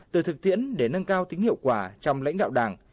từ thực tiễn để nâng cao tính hiệu quả trong lãnh đạo đảng